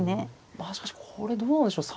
まあしかしこれどうなんでしょう。